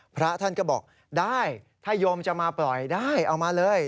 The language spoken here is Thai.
พระท่านก็บอกได้ถ้าโยมจะมาปล่อยได้เอามาเลย